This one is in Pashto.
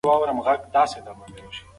ژوند په کلي کې سره له سختۍ ډېر خوندور دی.